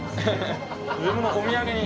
自分のお土産に。